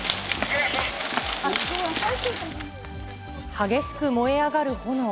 激しく燃え上がる炎。